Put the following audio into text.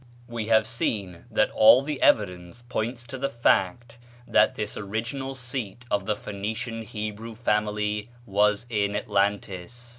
We have seen that all the evidence points to the fact that this original seat of the Phoenician Hebrew family was in Atlantis.